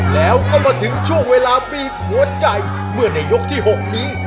แล้วก็มาถึงช่วงเวลาบีบหัวใจเมื่อในยกที่๖นี้